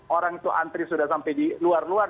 orang itu antri sudah sampai di luar luar